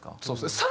そうですね。